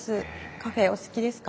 カフェお好きですか？